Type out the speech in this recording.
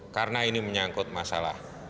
karena ini menyangkut masalah